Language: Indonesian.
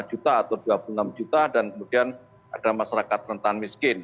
dua juta atau dua puluh enam juta dan kemudian ada masyarakat rentan miskin